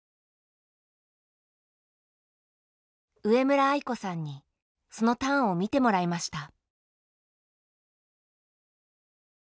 上村愛子さんにそのターンを見てもらいました。